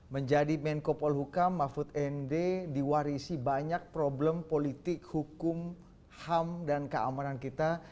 menjadi menko polhukam mahfud md diwarisi banyak problem politik hukum ham dan keamanan kita